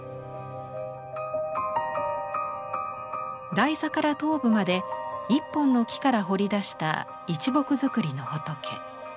台座から頭部まで一本の木から彫り出した一木造りの仏。